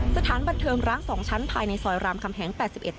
สถานบันเทิงร้าง๒ชั้นภายในซอยรามคำแหง๘๑